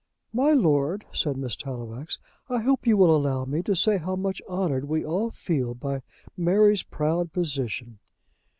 "My lord," said Miss Tallowax, "I hope you will allow me to say how much honoured we all feel by Mary's proud position."